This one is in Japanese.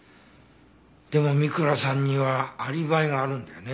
でも三倉さんにはアリバイがあるんだよね。